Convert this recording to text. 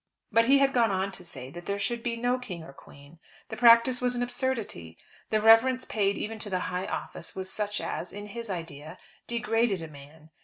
But, he had gone on to say there should be no king or queen. The practice was an absurdity. The reverence paid even to the high office was such as, in his idea, degraded a man.